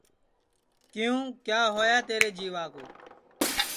کیوں کیا ہوا تیرے جیوا کُو